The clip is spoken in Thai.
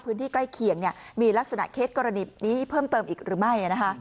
ใกล้เคียงมีลักษณะเคสกรณีนี้เพิ่มเติมอีกหรือไม่